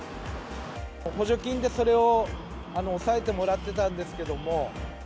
補助金でそれを抑えてもらってたんですけれども。